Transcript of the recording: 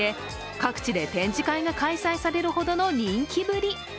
各地で展示会が開催されるほどの人気ぶり。